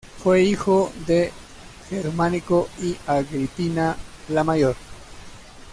Fue hijo de Germánico y Agripina la Mayor.